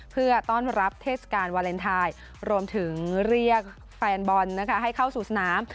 เพื่อต้อนรับเทศกาลวาเลนไทยรวมถึงเรียกแฟนบอลนะคะให้เข้าสู่สนาม